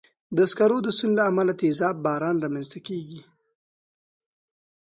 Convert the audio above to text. د سکرو د سون له امله تېزاب باران رامنځته کېږي.